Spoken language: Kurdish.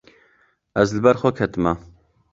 Ez li ber xwe ketime.